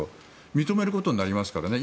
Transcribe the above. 認めることになりますからね。